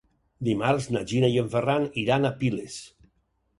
Dimarts na Gina i en Ferran iran a Piles.